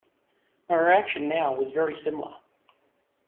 My reaction now was very similar.